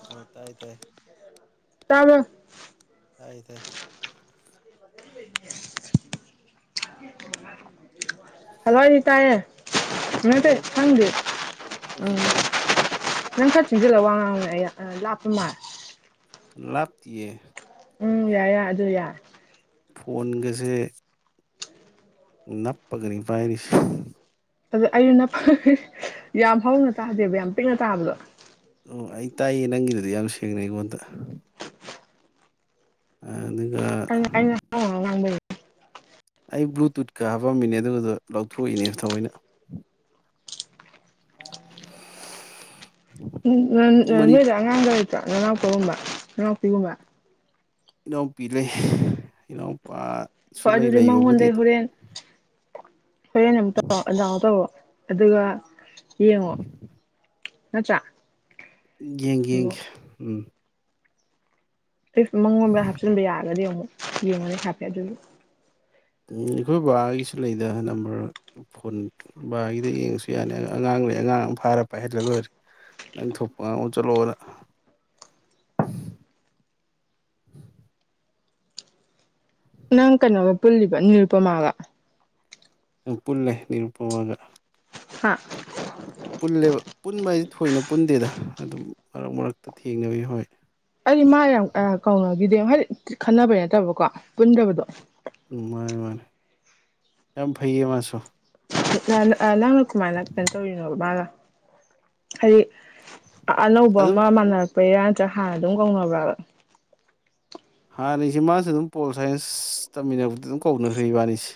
ꯍ ꯇꯥꯏ ꯇꯥꯏ ꯇꯕꯔꯣ ꯇꯥꯏ ꯇꯥꯏ ꯍꯜꯂꯣꯅꯤꯇꯥꯌꯦ ꯃꯠꯇ ꯇꯥꯏꯌꯦ ꯇꯥꯏꯌꯦ ꯊꯪꯗꯦ ꯑꯩꯁꯨ ꯎꯝ ꯇꯥꯏꯌꯦ ꯅꯪ ꯈꯔ ꯆꯤꯟꯁꯤꯜꯂꯒ ꯋꯥ ꯉꯥꯡꯅꯦ ꯑꯩ ꯂꯥꯞꯄ ꯃꯥꯜꯂ ꯂꯀ ꯎꯝ ꯌꯥꯏ ꯌꯥꯏ ꯑꯗꯨ ꯌꯥꯏ ꯐꯣꯟꯒꯁꯦ ꯅꯄꯒꯅꯤ ꯄꯥꯏꯔꯤꯁ ꯑꯗꯨꯗ ꯑꯩ ꯅ ꯌꯥꯝ ꯍꯥꯎꯅ ꯇꯥꯗꯦꯕ ꯌꯥꯝ ꯄꯤꯛꯅ ꯇꯥꯕꯗꯣ ꯑꯣ ꯑꯩ ꯇꯥꯏꯌꯦ ꯅꯪꯒꯤꯗꯨꯗꯤ ꯌꯥꯝ ꯁꯦꯡꯅ ꯑꯩꯉꯣꯟꯗ ꯎ ꯑꯗꯨꯒꯒ ꯑꯩꯅ ꯑꯩꯅ ꯍꯧꯅ ꯍꯧꯅ ꯉꯥꯡꯕꯩꯅꯦ ꯑꯩ ꯕ꯭ꯂꯨꯇꯨꯠꯀ ꯍꯥꯞꯄꯝꯃꯤꯅꯦ ꯑꯗꯨꯒꯗꯣ ꯂꯧꯊꯣꯛꯏꯅꯦ ꯊꯑꯣꯏꯅ ꯎ ꯃꯅꯤ ꯅꯣꯏꯗꯉꯥꯡꯗ ꯅꯅꯥ ꯇꯨꯝꯝꯕ ꯅꯅꯥ ꯇꯒꯨꯝꯕ ꯏꯅꯥꯎꯄꯤ ꯂꯩ ꯏꯅꯥꯎꯄꯥ ꯐꯖꯔꯤ ꯃꯍꯃꯗꯦ ꯍꯣꯔꯦꯟ ꯍ ꯅꯇ ꯌꯥ ꯇꯧꯕ ꯑꯗꯨꯒ ꯌꯦꯪꯍꯣ ꯃꯅꯇꯔꯥ ꯌꯦꯡ ꯌꯦꯡ ꯎꯝ ꯃꯉꯣꯟꯗ ꯍꯥꯞꯆꯤꯟꯕ ꯌꯥꯔꯒꯗꯤ ꯑꯃꯨꯛ ꯌꯦꯟꯒꯤꯃꯅꯦ ꯍꯥꯄꯤꯦꯌꯥꯖꯂ ꯎꯝ ꯑꯩꯈꯣꯏ ꯕꯥꯒꯤꯁꯤ ꯂꯩꯗ ꯅꯝꯕꯔ ꯐꯣꯟ ꯕꯥꯒꯤꯗ ꯌꯦꯡꯉꯁꯨ ꯌꯥꯅꯤ ꯑꯉꯥꯡ ꯂꯩ ꯑꯉꯥꯡ ꯑꯃ ꯐꯥꯔ ꯄꯥꯏꯍꯜꯂ ꯂꯣꯏꯔꯦ ꯅꯪ ꯊꯣꯛꯄ ꯑꯥꯡꯨ ꯆꯠꯂꯛꯑꯣꯅ ꯅꯪ ꯀꯩꯅꯣꯒ ꯄꯨꯜꯂꯤꯕ ꯅꯤꯔꯨꯄꯃꯥꯒ ꯄꯨꯜꯂꯦ ꯅꯤꯔꯨꯄꯒꯎ ꯍꯥꯍꯥ ꯄꯨꯜꯂꯦꯕ ꯄꯨꯟꯕ ꯍꯥꯏꯁꯦ ꯊꯣꯏꯅ ꯄꯨꯟꯗꯦꯗ ꯑꯗꯨꯝ ꯃꯔꯛ ꯃꯔꯛꯇ ꯊꯦꯡꯅꯕꯤ ꯍꯣꯏ ꯑꯩ ꯃꯥ ꯌꯥꯝ ꯀꯧꯅꯈꯤꯗꯦ ꯍꯥꯏꯗꯤ ꯈꯟꯅꯕꯩ ꯅꯠꯇꯕꯀꯣ ꯄꯨꯟꯗꯕꯗꯣ ꯃꯥꯅꯤ ꯃꯥꯅꯤ ꯌꯥꯝꯦꯝ ꯐꯩꯌꯦ ꯃꯥꯁꯨꯣ ꯅꯪꯅ ꯀꯃꯥꯏꯅ ꯀꯩꯅꯣ ꯇꯧꯔꯤꯅꯣꯕ ꯃꯥꯒ ꯍꯥꯏꯗꯤ ꯑꯅꯧꯕ ꯑꯗꯨꯝ ꯑꯃ ꯃꯥꯟꯅꯔ ꯄꯩꯔꯥ ꯆ ꯍꯥꯟꯅ ꯑꯗꯨꯝ ꯀꯧꯅꯕ꯭ꯔꯕꯝ꯫ ꯍꯥꯟꯅꯁꯤ ꯃꯥꯁꯨ ꯑꯗꯨꯝ ꯄꯣꯜ ꯁꯥꯏꯟꯁ ꯇꯝꯃꯤꯟꯅꯕꯗꯤ ꯑꯗꯨꯝ ꯀꯧꯅꯈ꯭ꯔꯦ ꯏꯕꯥꯅꯤꯁꯦ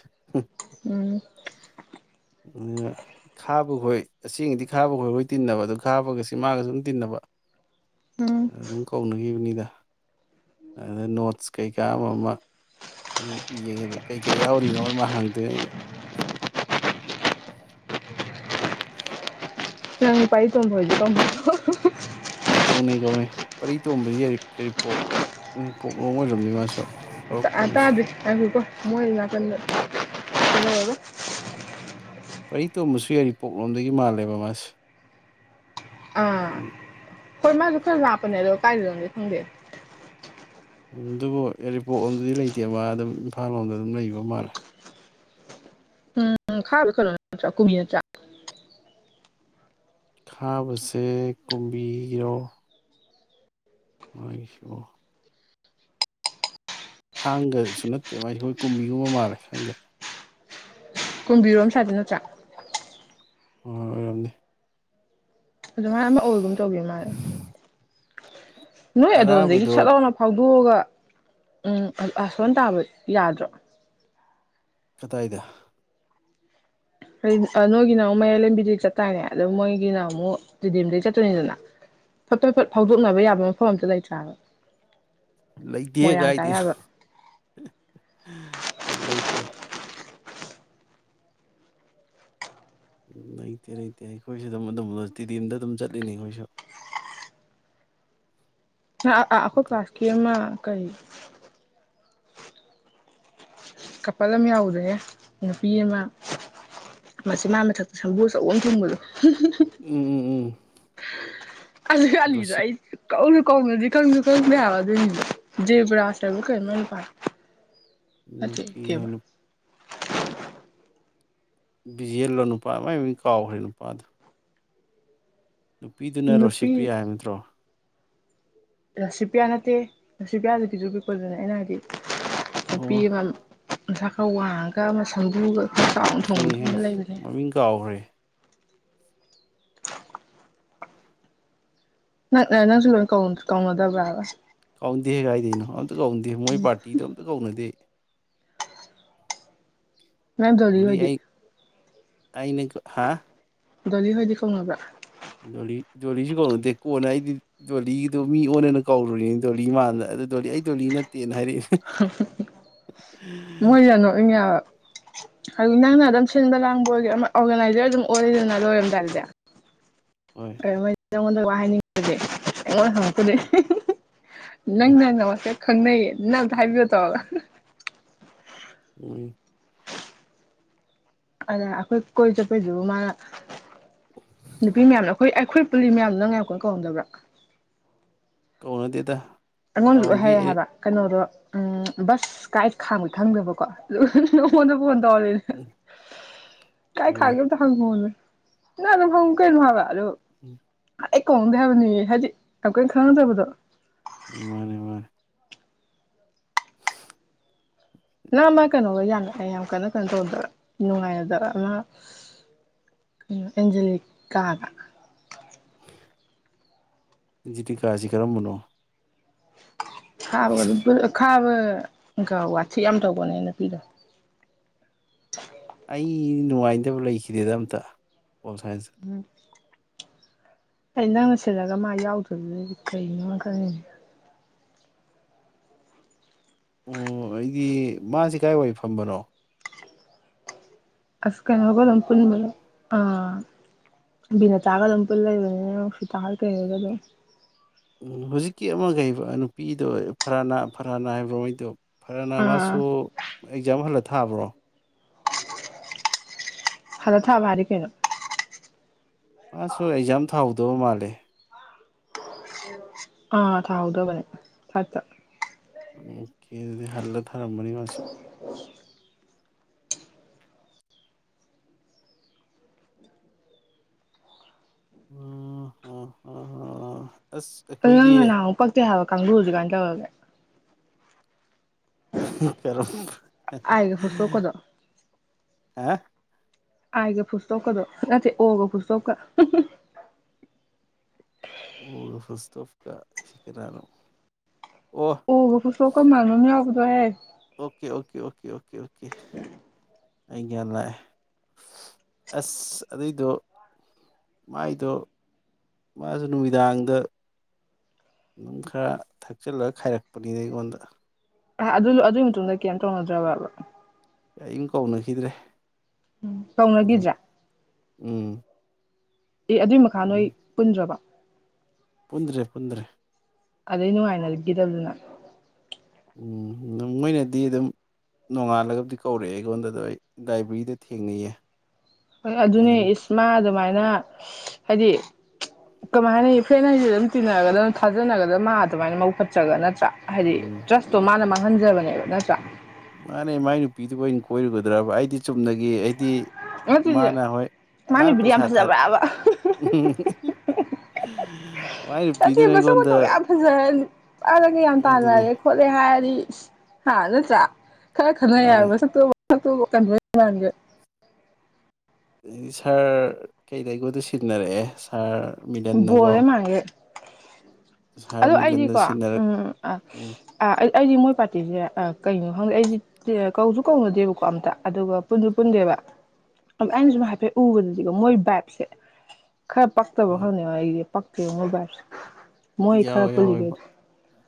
ꯎꯝ ꯈꯥꯕ ꯈꯣꯏ ꯑꯁꯦꯡꯗꯤ ꯈꯥꯕ ꯈꯣꯏꯈꯣꯏ ꯇꯤꯟꯅꯕ ꯑꯗꯨ ꯈꯥꯕꯒꯁꯤ ꯃꯥꯒ ꯁꯨꯝ ꯇꯤꯟꯅꯕ ꯎꯝ ꯑꯗꯨꯝ ꯀꯥꯎꯅꯈꯤꯕꯅꯤꯗ ꯑꯗ ꯅꯣꯠꯁ ꯀꯩꯀꯥ ꯑꯃ ꯑꯃ ꯑꯗꯨꯝ ꯌꯦꯡꯉꯗ ꯀꯩꯀꯩ ꯌꯥꯎꯔꯤꯅꯣ ꯃꯥ ꯍꯪꯗꯣꯏꯉꯩꯗ [inaudible] ꯅꯪ ꯄꯩꯔꯤꯇꯣꯝꯕ ꯍꯣꯢꯗꯤꯀꯣ ꯀꯧꯅꯩ ꯀꯧꯅꯩ ꯄꯔꯤ ꯇꯣꯕꯁꯤ ꯌꯥꯔꯤꯄꯣꯛ ꯌꯥꯔꯤꯄꯣꯛ ꯂꯣꯡꯑꯣꯏꯔꯝꯅꯤ ꯃꯥꯁꯨ꯫ ꯑ ꯇ ꯍꯧꯔꯛꯐꯝꯁꯦ ꯗꯦ ꯉꯥꯏꯈꯣꯀꯣ ꯃꯣꯏꯅꯥꯀꯟꯗ꯭ꯔ ꯀꯩꯗꯧꯑꯦꯕ꯫ ꯄꯔꯤ ꯇꯣꯝꯕꯁꯨ ꯌꯥꯔꯤ ꯄꯣꯛꯂꯣꯝꯗꯒꯤ ꯃꯥꯜꯂꯦꯕ ꯃꯥꯁꯦ ꯑꯥ ꯎꯝ ꯍꯣꯏ ꯃꯥꯁꯨꯗꯨ ꯈꯔ ꯂꯄꯅꯦꯗꯣ ꯀꯥꯏꯗ ꯈꯪꯗꯦ ꯎꯝ ꯑꯗꯨꯕꯨ ꯌꯥꯏꯔꯤꯄꯣꯛꯂꯣꯝꯗꯨꯗꯤ ꯂꯩꯇꯦ ꯃꯥ ꯑꯗꯨꯝ ꯏꯝꯐꯥꯜ ꯂꯣꯝꯗ ꯑꯗꯨꯝ ꯂꯩꯕ ꯃꯥꯜꯂꯦ ꯎꯝ ꯈꯥꯕ ꯀꯩꯅꯣ ꯅꯠꯇꯔꯣ ꯀꯨꯝꯕꯥ ꯅꯠꯇꯔꯣ ꯈꯥꯕꯁꯦ ꯀꯨꯝꯕꯤꯔꯣ ꯃꯥꯏꯁꯨ ꯊꯥꯡꯒꯁꯨ ꯅꯠꯇꯦ ꯃꯥꯥꯏ ꯑꯩꯈꯣꯏ ꯀꯨꯝꯕꯤꯒꯨꯝꯕ ꯃꯥꯜꯂꯦ ꯈꯪꯗꯦ ꯀꯨꯝꯕꯤꯔꯣꯝ ꯁꯥꯗ ꯅꯠꯇ꯭ꯔꯥ ꯍꯣꯏ ꯑꯣꯏꯔꯝꯅꯤ ꯑꯗꯨꯃꯥꯏꯅ ꯑꯃ ꯑꯣꯏꯒꯨꯝ ꯇꯧꯒꯦ ꯃꯥꯁꯦ ꯅꯣꯏ ꯑꯗꯣꯝꯗꯩ ꯑꯔꯥꯕꯗꯣ ꯁꯠ ꯂꯥꯎ ꯐꯥꯎ ꯂꯣꯛꯑꯒ ꯎꯝ ꯁꯣꯝꯇꯥꯕ ꯌꯥꯗ꯭ꯔꯣ ꯀꯗꯥꯏꯗ ꯅꯣꯏꯒꯤꯅ ꯑꯃꯨꯛ ꯃꯌꯥꯏ ꯂꯝꯕꯤꯗꯒꯤ ꯆꯠꯇꯇꯥꯥꯏꯅꯦ ꯑꯗꯨ ꯃꯣꯏꯒꯤꯅ ꯑꯃꯨꯛ ꯗꯤꯗꯤꯝꯗꯒꯤ ꯆꯠꯇꯅꯤꯗꯅ ꯐꯠ ꯐꯠ ꯐꯠ ꯐꯥꯎꯗꯣꯛꯅꯕ ꯌꯥꯕ ꯃꯐꯝ ꯑꯝꯇ ꯂꯩꯇ꯭ꯔꯥꯕ ꯂꯩꯇꯦ ꯃꯣꯏꯔꯥꯡ ꯇꯥ ꯀꯥꯏꯗꯅꯣ ꯌꯥꯕ ꯂꯩꯇꯦ ꯎꯝ ꯂꯩꯇꯦ ꯂꯩꯇꯦ ꯑꯩꯈꯣꯏꯁꯨ ꯗꯨꯝ ꯑꯗꯨꯝ ꯇꯤꯗꯤ ꯑꯝꯗ ꯑꯗꯨꯝ ꯆꯠꯂꯤꯅꯤ ꯑꯩꯈꯣꯏꯁꯨ ꯑ ꯑꯈꯣꯏ ꯀ꯭ꯂꯥꯁꯀꯤ ꯑꯃ ꯀꯩ ꯀꯄꯜ ꯑꯃ ꯌꯥꯎꯗꯕ ꯅꯨꯄꯤ ꯑꯃ ꯃꯆꯤꯟꯕꯥꯟ ꯃꯊꯛꯇ ꯁꯝꯕꯨꯨ ꯑꯆꯧꯕ ꯑꯃ ꯊꯨꯡꯕꯗꯣ꯫ [inaudible] ꯎꯝ ꯎꯝ ꯎꯝ ꯑꯁ ꯒꯂꯤꯗ ꯔꯣꯁꯤꯞ ꯑꯩ ꯀꯧꯁꯨ ꯀꯧꯅꯗꯦ ꯀꯪꯁꯨ ꯀꯪꯗꯦ ꯍꯥꯏꯕ ꯑꯗꯨꯅꯤꯗꯣ ꯖꯦꯕ꯭ꯔꯥꯥꯁꯕꯨ ꯍꯥꯏꯕ ꯀꯩꯅꯣ ꯃꯥꯏ ꯅꯨꯄꯥꯗꯣ ꯅꯨꯄꯤ ꯍꯥꯏꯅꯨ ꯕꯤꯖꯦꯜꯂꯣ ꯅꯨꯄꯥ ꯃꯥꯏ ꯃꯤꯡ ꯀꯥꯎꯒꯔ꯭ꯦ ꯅꯨꯄꯥꯗꯣ ꯅꯨꯄꯤꯗꯨꯅ ꯅꯨꯄꯤ ꯔꯣꯁꯤꯄ꯭ꯔꯤꯌꯥ ꯍꯥꯏꯕ ꯅꯠꯇꯔꯣ ꯔꯁꯤꯄꯤꯌꯥ ꯅꯠꯇꯦ ꯔꯁꯤꯄꯤꯌꯥꯗꯤ ꯕꯤꯖꯨ ꯀꯣꯏꯅꯦ ꯑꯩꯅ ꯍꯥꯏꯗꯤ ꯑꯣ ꯑꯣꯛꯄꯤ ꯃꯟ ꯃꯁꯥ ꯈꯥꯔ ꯋꯥꯡꯉꯥꯒ ꯑꯃ ꯁꯝꯕꯔꯨꯒ ꯈꯩ ꯍꯩ ꯃꯃꯤꯡ ꯀꯥꯎꯈ꯭ꯔꯦ ꯅꯪ ꯅꯪꯁꯨ ꯀꯧ ꯀꯧꯉꯗꯕ꯭ꯔꯕ ꯍꯦꯛꯒꯥꯏꯗꯦꯅꯣ ꯑꯝꯇ ꯀꯧꯅꯗꯦ ꯃꯣꯏ ꯄꯥꯔꯇꯤꯗ ꯑꯝꯇ ꯀꯧꯅꯗꯦ ꯃ ꯇꯣꯗꯤ ꯑꯣꯡꯂꯤ ꯑꯣꯏꯗꯤ ꯑꯩ ꯅꯦ ꯀꯣ ꯍꯥ ꯗꯣꯂꯤ ꯍꯣꯏꯗꯤ ꯈꯣꯡꯉꯕ꯭ꯔꯥ ꯗ ꯗꯣꯂꯤꯁꯨ ꯀꯧꯔꯨꯗꯦ ꯀꯣꯟꯅ ꯑꯩꯗꯤ ꯗꯣꯂꯤꯗꯨꯣ ꯃꯤ ꯑꯣꯟꯅꯅ ꯀꯧꯔꯨꯔꯤꯅꯤ ꯗꯣꯂꯤ ꯃꯥꯟꯗ ꯑꯗꯨ ꯗꯣꯂꯤ ꯑꯩ ꯗꯣꯂꯤ ꯅꯠꯇꯦꯅ ꯍꯥꯏꯔꯛꯏ ꯃꯣꯏ ꯌꯥ ꯅꯣꯛ ꯑꯗꯨ ꯅꯪꯅ ꯑꯗꯨꯝ ꯁꯤꯟꯕ ꯂꯥꯡꯕꯒꯤ ꯑꯣꯔꯒꯅꯥꯏꯖꯔ ꯑꯗꯨꯝ ꯑꯣꯏꯔꯗꯅ ꯂꯣꯏꯔꯝꯗꯥꯏꯗꯤ ꯍꯣꯏ ꯀꯩꯅꯣ ꯅꯪꯉꯣꯟꯗ ꯋꯥ ꯍꯥꯏꯅꯤꯡꯉꯒꯦ ꯑꯣ ꯍꯅꯦ ꯅꯪ ꯎꯝ ꯅꯪ ꯅꯃꯁꯦ ꯈꯪꯅꯩꯌꯦ ꯅꯅ ꯑꯝꯇ ꯍꯥꯏꯕꯤꯌꯨ ꯇꯧꯒ ꯎꯝ ꯑꯗ ꯑꯩꯈꯣꯏ ꯀꯣꯏ ꯆꯄꯣꯏꯖ ꯃꯥꯅ ꯅꯨꯄꯤ ꯃꯌꯥꯝꯅ ꯑꯩꯈꯣꯏ ꯑꯩꯈꯣꯏ ꯄꯨꯜꯂꯤ ꯃꯌꯥꯝ ꯅꯪ ꯉ ꯌꯥꯝ ꯀꯨ ꯀꯧꯍꯝꯗꯕ꯭ꯔꯥ ꯀꯧꯅꯗꯤꯦꯗ ꯑꯩꯉꯣꯟꯗ ꯂꯣꯏ ꯍꯥꯏꯔꯦ ꯍꯥꯏꯕ ꯀꯩꯅꯣꯗꯣ ꯎꯝ ꯕꯁ ꯀꯥꯏ ꯈꯥꯡꯒ ꯈꯪꯗꯕꯀꯣ ꯍꯣꯟꯅꯕ ꯍꯣꯟ ꯅꯦ ꯎꯝ ꯀꯥꯏ ꯍꯣꯏ ꯈꯥꯏꯒꯦ ꯇ ꯍꯪꯍꯅꯦ ꯅ ꯑꯗꯨ ꯍꯪ ꯀꯣꯏꯦ ꯅꯣꯍꯕ ꯍꯜꯂꯣ ꯎꯝ ꯑꯩ ꯀꯣꯡꯗꯦ ꯍꯥꯏꯕꯅꯤ ꯍꯥꯏꯗꯤ ꯌꯥꯝ ꯀꯣꯏꯅ ꯈꯪꯅꯗꯕꯗꯣ ꯔꯦꯕꯔ ꯅꯪ ꯑꯃ ꯀꯩꯅꯣꯒ ꯌꯥꯝ ꯌꯥꯝ ꯀꯟꯅ ꯀꯩꯅꯣ ꯇꯧꯗꯕ ꯅꯨꯡꯉꯥꯏꯅꯗꯕ ꯑꯃ ꯀꯩꯅꯣ ꯑꯦꯟꯖꯦꯂꯤꯀꯥꯒ ꯖꯤꯗꯤꯤ ꯀꯥꯖꯤ ꯀꯔꯝ ꯃꯅꯣ ꯈꯥꯕ ꯈꯥꯕ ꯀ ꯋꯥꯁꯤ ꯌꯥꯝ ꯇꯧꯕꯅꯦꯅ ꯄꯤꯗꯣ ꯑꯩ ꯅꯨꯡꯉꯥꯏꯇꯕ ꯂꯩꯈꯤꯗꯦꯗ ꯑꯝꯇ ꯑꯣꯣ ꯁꯥꯏꯟꯁ ꯎꯝ ꯑꯩ ꯅꯪꯅ ꯁꯤꯠꯂꯒ ꯃꯥ ꯌꯥꯎꯗꯣꯏꯗꯨꯗꯗꯤ ꯀꯩꯅꯣ ꯈꯛꯅꯦ ꯑꯣ ꯑꯩꯗꯤ ꯃꯥꯁꯤꯦ ꯀꯥꯏ ꯋꯥ ꯐꯝꯕꯅꯣ ꯍꯁ ꯀꯩꯅ ꯍꯒꯣ ꯂꯝꯄꯜꯕ ꯑ ꯅ ꯇꯥꯒ ꯂꯄꯜꯂ ꯏꯕ ꯇꯥ ꯀꯔꯣ ꯍꯧꯖꯤꯛꯀꯤ ꯑꯃꯈꯩꯕ ꯅꯨꯄꯤꯗꯣ ꯐꯔꯥ ꯐꯔꯥꯅꯥ ꯍꯥꯏꯕ꯭ꯔꯣꯉꯩꯗꯣ ꯐꯔꯅ ꯑꯥ ꯑꯥ ꯃꯥꯁꯨ ꯑꯦꯛꯖꯥꯝ ꯍꯜꯂ ꯊꯥꯕ꯭ꯔꯣ ꯍꯜꯂꯥ ꯊꯥꯕꯥ ꯍꯥꯢꯗꯤ ꯀꯩꯅꯣ ꯃꯁꯨ ꯑꯦꯖꯝ ꯊꯥꯎ ꯗꯣ ꯃꯥꯂꯦ ꯑꯥ ꯊꯥꯍꯧꯗꯕꯅꯦ ꯐꯥꯏꯞꯄꯇ ꯑꯣꯀꯦ ꯑꯗꯨꯗꯤ ꯍꯜꯂ ꯊꯥꯔꯝꯃꯅꯤ ꯃꯥꯁꯨ ꯑꯝ ꯍ ꯍ ꯑꯁ ꯑꯩꯈꯣꯏꯒꯤ ꯀꯪꯒꯨꯗꯨ ꯀꯃꯥꯏ ꯇꯧꯒꯔꯒꯦ ꯍꯥ ꯑꯥꯏꯒ ꯐꯨꯁꯇꯣꯛꯀꯗꯣ ꯍꯥ ꯍꯥ ꯑꯥꯏ ꯒ ꯐꯨꯜꯁꯇ꯭ꯣꯞ ꯀꯗꯣ ꯅꯠꯇꯦ ꯑꯣ ꯒ ꯐꯨꯜꯁꯇ꯭ꯣꯞ ꯀ ꯍꯨꯝ ꯍꯨꯝ ꯑꯣ ꯒ ꯐꯨꯜꯁꯇ꯭ꯣꯞ ꯀ ꯀꯅꯥꯅꯣ ꯑꯣ ꯒ ꯐꯨꯜꯁꯇ꯭ꯣꯞ ꯀ ꯃꯟꯕ ꯑꯃ ꯌꯧꯕꯗꯣ ꯍꯣꯏꯍꯦ okay okay okay okay okay okay ꯑꯩ ꯒ꯭ꯌꯥꯟ ꯂꯥꯛꯑꯦ ꯑꯁ ꯑꯗꯨꯏꯗꯣ ꯃꯥꯏꯗꯣ ꯃꯥꯁꯨ ꯅꯨꯃꯤꯗꯥꯡꯗ ꯑꯗꯨꯝ ꯈꯔ ꯊꯛꯆꯤꯜꯂꯒ ꯈꯥꯏꯔꯛꯄꯅꯤꯗ ꯑꯩꯉꯣꯟꯗ ꯑꯥ ꯑꯗꯨ ꯗꯨꯏ ꯃꯇꯨꯡꯗꯩꯩ ꯀꯩꯝ ꯇꯧꯅꯗ꯭ꯔꯕꯕ ꯀꯦꯏꯝ ꯀꯧꯅꯈꯤꯗ꯭ꯔꯦ ꯎꯝ ꯑꯗꯨꯝ ꯀꯧꯅꯒꯤꯗ꯭ꯔꯦ ꯎꯝ ꯑꯦ ꯑꯗꯨꯏ ꯃꯈꯥ ꯅꯣꯏ ꯄꯨꯟꯗ꯭ꯔꯕꯣ ꯄꯨꯟꯗ꯭ꯔꯦ ꯄꯨꯟꯗ꯭ꯔꯦ ꯑꯗꯩ ꯅꯨꯡꯉꯥꯏꯅꯒꯤꯗꯕꯗꯨꯅ ꯎꯝ ꯃꯣꯏꯅꯗꯤ ꯑꯗꯨꯝ ꯅꯣꯡꯉꯥꯜꯂꯒꯕꯨꯗꯤ ꯀꯧꯔꯛꯑꯦ ꯑꯩꯉꯣꯟꯗꯗꯣ ꯑꯩ ꯂꯥꯏꯕ꯭ꯔꯦꯔꯤꯗ ꯊꯦꯡꯅꯩꯌꯦ ꯍꯣꯏ ꯑꯩ ꯑꯗꯨꯅꯦ ꯑꯗꯨꯝ ꯏꯁ ꯃꯥ ꯑꯗꯨꯃꯥꯏꯅ ꯗ ꯍꯥꯏꯗꯤ ꯀꯃꯥꯏꯅ ꯐ꯭ꯔꯦꯟ ꯍꯥꯏꯁꯤꯗꯤ ꯑꯗꯨꯝ ꯇꯤꯟꯅꯒꯗꯕꯅꯤ ꯊꯥꯖꯅꯒꯗꯕꯅꯤ ꯃꯥ ꯑꯗꯨꯃꯥꯏꯅ ꯃꯕꯨꯛ ꯐꯠꯇꯔꯒ ꯅꯠꯇ꯭ꯔꯥ ꯍꯥꯏꯗꯤ ꯎꯝ ꯇ꯭ꯔꯁꯠꯇꯣ ꯃꯥꯅ ꯃꯥꯡ ꯍꯟꯖꯕꯅꯦꯕ ꯅꯠꯇ꯭ꯔ ꯃꯥꯅꯦ ꯃꯥꯏ ꯅꯨꯄꯤꯗꯨꯕꯨ ꯑꯩꯅꯥ ꯀꯣꯏꯔꯨꯒꯗ꯭ꯔꯕ ꯑꯩꯗꯤ ꯆꯨꯝꯅꯒꯤ ꯑꯩꯗꯤ ꯅꯠꯇ꯭ꯔꯗꯤ ꯃꯥꯅ ꯍꯣꯏ ꯃꯥ ꯃꯥꯅ ꯅꯨꯄꯤꯗꯤ ꯌꯥꯝ ꯄꯩꯁꯥ ꯊꯥꯔꯛ ꯐꯖꯕ꯭ꯔꯕ ꯃꯥꯏ ꯆꯊꯤ ꯅꯨꯄꯤꯗꯨꯅ ꯃꯁꯛ ꯑꯩꯉꯣꯟꯗ ꯃꯇꯧ ꯌꯥꯝ ꯐꯖꯔꯗꯤ ꯅꯨꯄꯥꯅꯒ ꯌꯥꯝ ꯑꯗꯨꯅꯤ ꯇꯥꯅꯔꯦ ꯈꯣꯠꯂꯦ ꯍꯥꯏꯔꯗꯤ ꯍꯥ ꯅꯠꯇꯔꯥ ꯈꯥ ꯈꯅ ꯌꯥꯏ ꯃꯥꯅꯦ ꯃꯁꯛꯇꯨ ꯃꯁꯛꯇꯨꯒꯥ ꯀꯟꯒꯔ꯭ꯦ ꯃꯟꯒꯩ ꯑꯗꯤ ꯁꯥꯔ ꯀꯩꯗꯣ ꯑꯩꯉꯣꯟꯗ ꯁꯤꯟꯅꯔꯛꯑꯦ ꯁꯥꯔ ꯕꯣꯜ ꯃꯤꯂꯟꯅꯀꯣ ꯍꯦꯛ ꯃꯟꯒꯩ ꯁꯥꯔ ꯑꯗꯨ ꯃꯤꯂꯟꯅ ꯑꯩꯗꯤꯀꯣ ꯁꯤꯟꯅꯔꯛ ꯎꯝ ꯎꯝ ꯑꯥ ꯎꯝ ꯑꯩ ꯑꯩꯗꯤ ꯃꯣꯏ ꯄꯥꯔꯇꯤꯁꯦ ꯑ ꯀꯩꯅꯣ ꯈꯪꯗꯦ ꯑꯩꯗꯤ ꯀꯧꯁꯨ ꯀꯧꯅꯗꯦꯕꯀꯣ ꯑꯝꯇ ꯑꯗꯨꯒ ꯄꯨꯟꯁꯨ ꯄꯨꯟꯗꯦꯕ ꯑꯩꯅ ꯁꯨꯝ ꯍꯥꯏꯐꯦꯠ ꯎꯕꯗꯗꯤꯀꯣ ꯃꯣꯏ ꯕꯥꯏꯞꯁꯦ ꯈꯔ ꯄꯥꯛꯇꯕꯣ ꯍꯅꯤꯉ ꯑꯩ ꯄꯛꯦ ꯃꯣꯕꯔ ꯃꯣꯏ ꯈꯔ ꯌꯥꯎꯋꯦ ꯌꯥꯎꯋꯦꯕ ꯄꯂꯤꯒꯦꯗ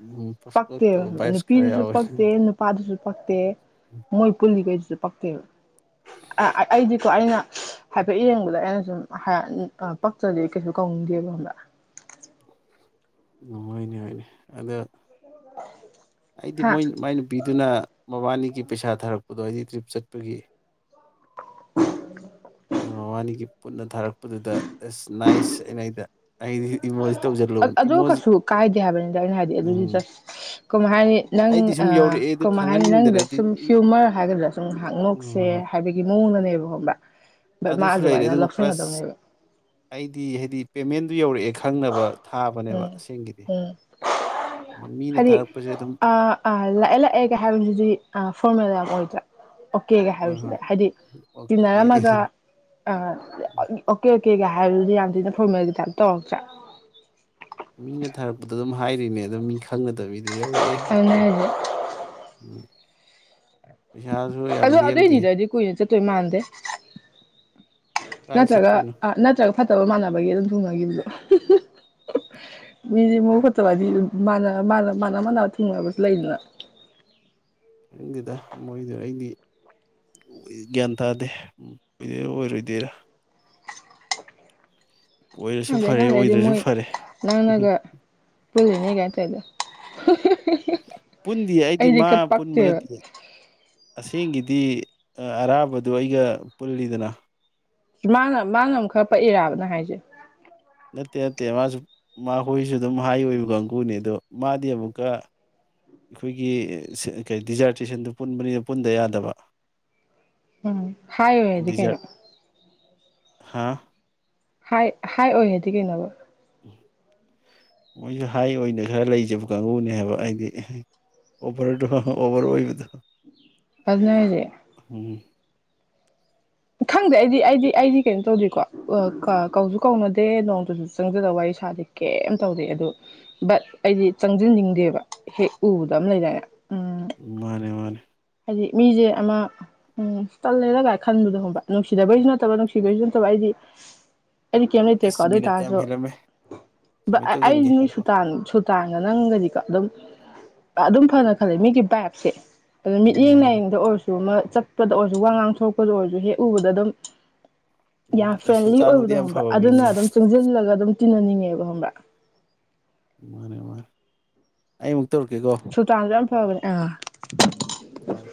ꯎꯝ ꯄꯛꯇꯦꯕ ꯄꯁꯀꯣꯠꯇꯕ ꯚꯥꯏꯞꯁ ꯈꯔ ꯅꯨꯄꯤꯗꯨꯁꯨ ꯌꯥꯎꯋꯦ ꯄꯛꯇꯦ ꯅꯨꯄꯥꯗꯨꯁꯨ ꯄꯛꯇ‌ꯦ ꯃꯣꯏ ꯄꯨꯜꯂꯤ ꯀꯩꯁꯨ ꯄꯛꯇ‌ꯦꯕ ꯑꯩꯗꯤꯀꯣ ꯑꯩꯅ ꯍꯥꯏꯐꯦꯠ ꯌꯦꯡꯕꯗ ꯑꯩꯅ ꯁꯨꯝ ꯄꯛꯇꯔꯗꯤ ꯀꯩꯁꯨ ꯀꯧꯅꯤꯡꯗꯦꯕ ꯈꯪꯕꯔ ꯅꯨꯡꯉꯥꯏꯅꯦ ꯍꯥꯏꯅꯦ ꯑꯗ ꯑꯩꯗꯤ ꯍꯥ ꯃꯣꯏ ꯃꯥꯏ ꯅꯨꯄꯤꯗꯨꯅ ꯃꯕꯥꯅꯤꯒꯤ ꯄꯩꯁꯥ ꯊꯥꯔꯛꯄꯗꯣ ꯑꯩꯗꯤ ꯇ꯭ꯔꯤꯞ ꯆꯠꯄꯒꯤ [unintelligible] ꯑꯗꯣ ꯃꯕꯥꯅꯤꯒꯤ ꯄꯨꯟꯅ ꯊꯥꯔꯛꯄ ꯄꯗꯨꯗ ꯑꯁ ꯅꯥꯏꯁ ꯆꯠꯂꯤꯉꯩꯗ ꯑꯗꯨ ꯀꯩꯁꯨ ꯀꯥꯏꯗꯦ ꯍꯥꯏꯕꯅꯤꯗ ꯑꯩꯅ ꯍꯥꯏꯗꯤ ꯑꯗꯨꯗꯤ ꯎꯝ ꯖꯁ ꯀꯃꯥꯏ ꯍꯥꯏꯅꯤ ꯅꯪ ꯑꯩꯗꯤ ꯑ ꯁꯨꯝ ꯌꯧꯔꯛꯑꯦ ꯑꯗꯨ ꯀꯃꯥꯏ ꯍꯥꯏꯅꯤ ꯈꯪꯍꯟꯅꯤꯡꯗꯅ ꯅꯪꯗ ꯑꯩꯗꯤ ꯁꯨꯝ ꯍ꯭ꯌꯨꯃꯔ ꯍꯥꯏꯒꯗ꯭ꯔꯥ ꯁꯨꯝ ꯉꯥꯏꯍꯥꯛ ꯅ‌ꯣꯛꯁꯦ ꯎꯝ ꯍꯥꯏꯕꯒꯤ ꯃꯑꯣꯡꯗꯅꯦꯕ ꯈꯪꯕ ꯃꯥ ꯑꯗꯨꯁꯨ ꯂꯩꯔꯦ ꯑꯗꯨꯃꯥꯏꯅ ꯑꯗꯨꯒ ꯄ꯭ꯂꯁ ꯂꯧꯁꯟꯒꯗꯕꯅꯦꯕ ꯌꯩꯔꯛꯑꯦ ꯈꯪꯅꯕ ꯊꯥꯕꯅꯦꯕ ꯎꯝ ꯑꯁ‌ꯦꯡꯀꯤꯗꯤ ꯎꯝ ꯍꯥꯏꯗꯤ ꯑ ꯑ ꯂꯥꯛꯑꯦ ꯂꯥꯛꯑꯦꯒ ꯍꯥꯏꯕꯁꯤꯗꯤ ꯐꯣꯔꯃꯦꯜ ꯌꯥꯝ ꯑꯣꯏ [unintelligible] ꯑꯣꯀꯦꯒ ꯍꯣꯏ ꯍꯥꯏꯕꯁꯤꯗ ꯍꯣꯏ ꯍꯥꯏꯗꯤ ꯑꯣꯀꯦ ꯇꯤꯟꯅꯔꯝꯃꯒ ꯑ ꯑꯣꯀꯦ ꯀꯩꯀꯥ ꯍꯥꯏꯕꯗꯨꯗꯤ ꯌꯥꯝ ꯊꯤꯅ ꯐ‌ꯣꯔꯃꯦꯜꯒꯤ ꯇꯥꯏꯞ ꯇꯧꯔꯛ ꯇꯔ ꯃꯤꯅ ꯊꯥꯔꯛꯄꯗ ꯑꯗꯨꯝ ꯍꯥꯏꯔꯤꯅꯦ ꯑꯗꯨꯝ ꯃꯤ ꯈꯪꯒꯗꯕꯤꯗ ꯑꯗꯨ ꯌꯧꯔꯛꯑꯦ ꯑꯗꯨꯅ ꯑꯣꯀꯦ ꯍꯥꯏꯁꯦ ꯎ ꯄꯩꯁꯥꯁꯨ ꯌꯥꯝ ꯂ‌ꯦꯝꯗꯦ ꯇꯨꯏ ꯃꯥꯥꯟꯗꯦ ꯀꯥꯏ ꯅꯠꯇ꯭ꯔꯒ ꯆꯠꯇꯣꯏꯅꯣ ꯑ ꯅꯠꯇ꯭ꯔꯒ ꯐꯠꯇꯕ ꯃꯥꯟꯅꯕꯒꯤ ꯑꯗꯨꯝ ꯊꯨꯡꯅꯈꯤꯕꯗꯣ ꯃꯤꯁꯦ ꯃꯕꯨꯛ ꯐꯠꯇꯕ ꯍꯥꯏꯗꯤ ꯃꯥꯟꯅ ꯃꯥꯟꯅꯕ ꯊꯨꯡꯅꯕꯁꯨ ꯂꯩꯗꯅ ꯈꯪꯗ‌ꯦꯗ ꯃꯣꯏꯗ ꯑꯩꯗꯤ ꯒ꯭ꯌꯥꯟ ꯇꯥꯗꯦ ꯑꯣꯏꯗꯨꯏꯔ ꯑꯣꯏꯔꯣꯏꯗꯩꯔꯥ ꯑꯣꯏꯔꯁꯨ ꯈꯪꯗ꯭ꯔꯦ ꯐꯔꯦ ꯈꯪꯗ꯭ꯔꯦ ꯗꯨ ꯑꯣꯏꯗ꯭ꯔꯁꯨ ꯐꯔꯦ ꯃꯣꯏꯅꯒ ꯖꯅ‌ꯦꯒ ꯇꯧꯔꯤꯗꯣ ꯄꯨꯟꯗꯤ ꯑꯩꯗꯤ ꯃꯥ ꯈꯔ ꯄꯨꯟꯕ ꯄꯛꯇꯦꯕ ꯅꯠꯇꯦ ꯑꯁꯦꯡꯒꯤꯗꯤ ꯑꯔꯥꯕꯗꯨ ꯑꯩꯒ ꯄꯨꯜꯂꯤꯗꯅ ꯃꯥꯅ ꯃꯥꯅ ꯑꯃꯨꯛ ꯈꯔ ꯄꯛꯏꯔꯕ ꯅꯪ ꯍꯥꯏꯁꯦ ꯅꯠꯇꯦ ꯅꯠꯇꯦ ꯃꯥꯁꯨ ꯃꯥ ꯍꯣꯏꯁꯨ ꯑꯗꯨꯝ ꯍꯥꯏ ꯑꯣꯏꯕ ꯀꯥꯡꯒꯨꯅꯤ ꯑꯗꯣ ꯃꯥꯗꯤ ꯑꯃꯨꯛꯀ ꯑꯩꯈꯣꯏꯒꯤ ꯗꯤꯖꯥꯔꯇꯦꯁꯟꯗꯨ ꯄꯨꯟꯕꯅꯤꯅ ꯄꯨꯟꯗ ꯌꯥꯗꯕ ꯎꯝ ꯍꯥꯏ ꯑꯣꯏꯗꯤ ꯀꯩꯅ‌ꯣ ꯍꯥꯥ ꯍꯥꯏ ꯍꯥꯏ ꯑꯣꯏ ꯍꯥꯏꯌ‌ꯦꯗꯤ ꯀꯩꯅ‌ꯣꯕ ꯃꯣꯏꯁꯨ ꯍꯥꯏ ꯑꯣꯏꯅ ꯈꯔ ꯂꯩꯖꯕ ꯀꯥꯡꯕꯨꯅꯦ ꯍꯥꯏꯕ ꯍꯥꯏꯗꯤ ꯑꯣꯚꯔꯗꯣ ꯑꯣꯚꯔ ꯑꯣꯏꯕꯗꯣ ꯑꯗꯨꯅꯤ ꯍꯥꯏꯁꯦ ꯎꯝ ꯈꯪꯗꯦ ꯑꯩꯗꯤ ꯑꯩꯗꯤ ꯑꯩꯗꯤ ꯀꯩꯅꯣ ꯇꯧꯗꯦꯀꯣ ꯀꯧꯁꯨ ꯀꯧꯅꯗꯦ ꯅꯣꯡꯇꯁꯨ ꯆꯪꯖꯗꯕ ꯋꯥꯔꯤ ꯁꯥꯗꯤ ꯀꯩꯝ ꯇꯧꯗꯦ ꯑꯗꯨ ꯕꯠ ꯑꯩꯗꯤ ꯆꯪꯁꯤꯟꯅꯤꯡꯗꯦꯕ ꯍꯦꯛ ꯎꯕꯗ ꯑꯃ ꯂꯩꯗꯥꯏꯅꯦ ꯎꯝ ꯃꯥꯅꯦ ꯃꯥꯅꯦ ꯍꯥꯏꯗꯤ ꯃꯤꯁꯦ ꯑꯃ ꯎꯝ ꯇꯜꯂꯦꯔꯒꯥꯏ ꯈꯟꯕꯗ ꯍꯨꯛ ꯅꯨꯡꯁꯤꯕꯩꯁꯨ ꯅꯠꯇꯕ ꯅꯨꯡꯁꯤꯕꯩꯁꯨ ꯅꯠꯇꯕ ꯑꯩꯗꯤ ꯑꯩꯗꯤ ꯀꯩꯝ ꯂꯩꯇꯦꯀꯣ ꯑꯦꯁ ꯑꯗꯨ ꯃꯤꯅꯠ ꯌꯥꯝ ꯑꯣꯏꯇꯥꯔꯁꯨ ꯍꯦꯜꯂꯝꯃꯦ ꯁꯝꯃꯤꯠ ꯑꯩ ꯇꯧꯁꯤꯟꯒꯦ ꯅꯣꯏ ꯍꯥꯏꯀꯣ ꯁꯨꯇꯥꯟ ꯁꯨꯇꯥꯟꯒ ꯅꯪꯒꯗꯤꯀꯣ ꯑꯗꯨꯝ ꯑꯗꯨꯝ ꯐꯅ ꯈꯜꯂꯤꯦ ꯃꯤꯒꯤ ꯕꯥꯥꯏꯞꯁꯦ ꯑꯗꯨꯅ ꯎꯝ ꯃꯤꯠꯌꯦꯡ ꯃꯥꯅꯦ ꯅꯥꯌꯦꯡꯗ ꯑꯣꯏꯔꯁꯨ ꯑꯃ ꯆꯠꯄꯗ ꯑꯣꯏꯔꯁꯨ ꯋꯥ ꯉꯥꯡꯊꯣꯔꯛꯄꯗ ꯑꯣꯏꯔꯁꯨ ꯍꯦꯛ ꯎꯗꯗꯝ ꯎꯝ ꯌꯥꯝ ꯑꯩ ꯐ꯭ꯔꯦꯟꯂꯤ ꯁꯨꯜꯇꯥꯟꯕꯨꯗꯤ ꯑꯣꯏꯕꯗꯣ ꯌꯥꯝ ꯍꯣꯟꯕ꯭ꯔ ꯐꯕ ꯑꯗꯨꯅ ꯃꯤꯅꯦ ꯑꯗꯨꯝ ꯆꯪꯁꯤꯜꯂꯒ ꯑꯗꯨꯝ ꯇꯤꯟꯅꯅꯤꯡꯉꯦꯕ ꯈꯕ꯭ꯔ ꯔꯦꯕꯔ ꯑꯛ ꯁꯨꯜꯇꯥꯟꯁꯨ ꯌꯥꯝ ꯐꯕꯅꯦ ꯑ ꯐꯔꯦ